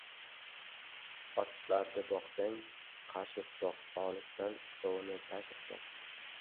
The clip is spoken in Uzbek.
Otlardi boqsang qashib boq Olisdan suvini tashib boq